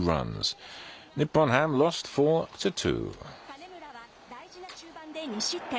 金村は大事な中盤で２失点。